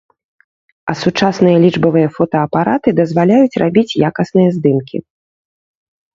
А сучасныя лічбавыя фотаапараты дазваляюць рабіць якасныя здымкі.